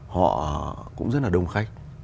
họ cũng rất là đông khách